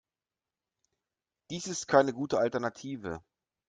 Dies ist keine gute Alternative.